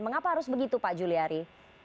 mengapa harus begitu pak juliari